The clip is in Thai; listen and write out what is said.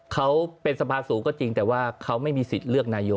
เขาเป็นสภาสูงก็จริงแต่ว่าเขาไม่มีสิทธิ์เลือกนายก